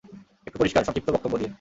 একটু পরিষ্কার, সংক্ষিপ্ত বক্তব্য দিয়ে।